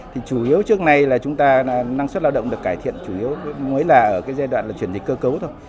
thì chủ yếu trước nay là chúng ta năng suất lao động được cải thiện chủ yếu mới là ở cái giai đoạn là chuyển dịch cơ cấu thôi